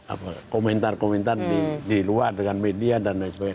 apa komentar komentar di luar dengan media dan lain sebagainya